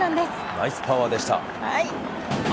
ナイスパワーでした。